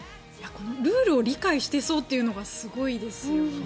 このルールを理解してというのがすごいですよね。